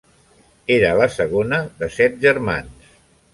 Era la segona de set germans.